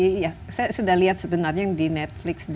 iya saya sudah lihat sebenarnya yang di netflix di